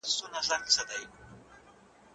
ما په کندهار کي د پښتو یو لوی ادبي بنسټ ولیدی.